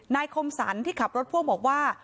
คมสรรที่ขับรถพ่วงบอกว่า